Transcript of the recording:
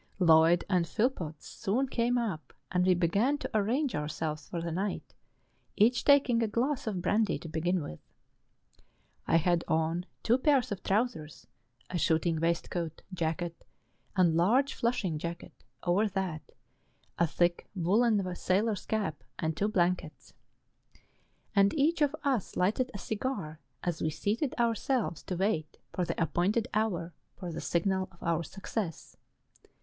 Lloyd and Phillpotts soon came up, and we began to ar¬ range ourselves for the night, each taking a glass of brandy to begin with. I had on two pairs of trousers, a shooting waistcoat, jacket, and large fliishing jacket over that, a tliick woollen sailor's cap and two blankets; and each of us lighted a cigar as we seated ourselves to wait for the appointed hour for the signal of our success.